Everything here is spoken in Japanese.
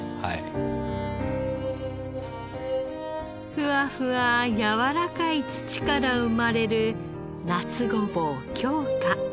ふわふわやわらかい土から生まれる夏ごぼう京香。